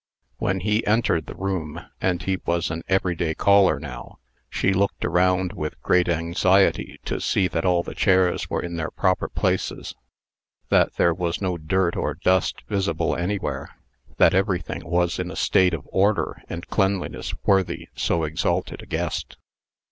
When he entered the room and he was an every day caller now she looked around with great anxiety to see that all the chairs were in their proper places; that there was no dirt or dust visible anywhere; that everything was in a state of order and cleanliness worthy so exalted a guest.